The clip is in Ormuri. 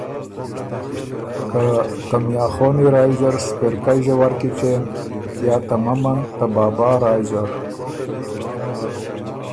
که ته میاں خونی رایٛ زر سپېرکئ ݫوَر کی څېن یا ته ممند ته بابا رایٛ زر